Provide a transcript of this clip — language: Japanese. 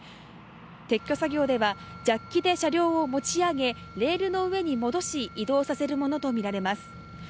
撤去作業では、ジャッキで車両を持ち上げ、レールの上に戻し、移動させるものとみられます。